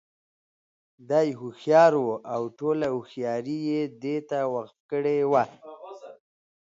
دى هوښيار وو او ټوله هوښياري یې دې ته وقف کړې وه.